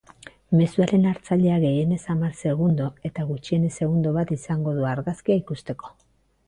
Mezuaren hartzaileak gehienez hamar segundo eta gutxienez segundo bat izango du argazkia ikusteko.